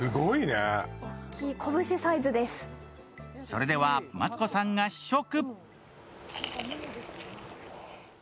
それではマツコさんが試食。